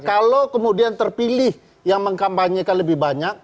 kalau kemudian terpilih yang mengkampanyekan lebih banyak